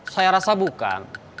saya rasa bukan